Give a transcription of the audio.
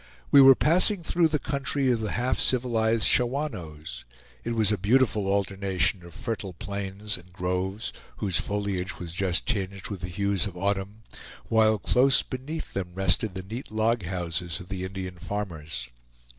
We were passing through the country of the half civilized Shawanoes. It was a beautiful alternation of fertile plains and groves, whose foliage was just tinged with the hues of autumn, while close beneath them rested the neat log houses of the Indian farmers.